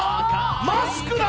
マスクだ！